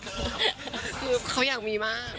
คือเขาอยากมีมาก